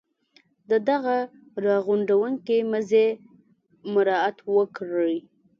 د دغه را غونډوونکي مزي مراعات وکړي.